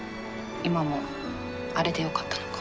今もあれでよかったのか。